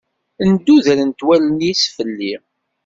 Ndudrent wallen-is fell-i.